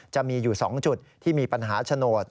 จะมีอยู่๒จุดที่มีปัญหาโฉนด